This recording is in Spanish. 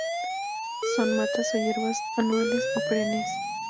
Son matas o hierbas anuales o perennes.